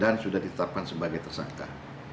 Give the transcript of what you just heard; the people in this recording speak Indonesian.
dan sudah ditetapkan sebagai tersangka